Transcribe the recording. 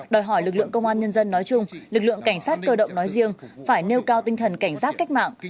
đòi hỏi lực lượng công an nhân dân nói chung lực lượng cảnh sát cơ động nói riêng phải nêu cao tinh thần cảnh giác cách mạng